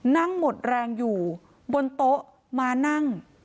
นั่งหมดแรงอยู่บนโต๊ะมานั่ง